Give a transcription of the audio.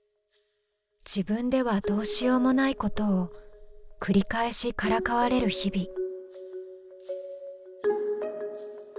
自分ではどうしようもないことを繰り返しからかわれる日々。